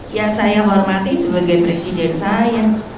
yang saya hormati sebagai presiden saya